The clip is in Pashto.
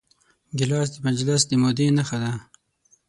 ګیلاس د مجلس د مودې نښه ده.